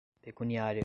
pecuniária